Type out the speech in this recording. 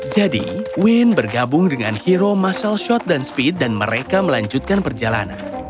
jadi wayne bergabung dengan hero muscle shot dan speed dan mereka melanjutkan perjalanan